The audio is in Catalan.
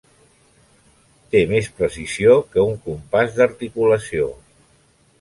Té més precisió que un compàs d'articulació.